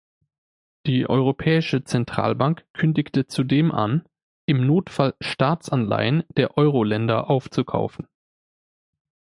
Die Europäische Zentralbank kündigte zudem an, im Notfall Staatsanleihen der Euro-Länder aufzukaufen.